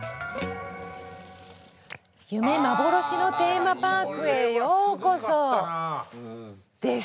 「ゆめまぼろしのテーマパークへようこそ」です。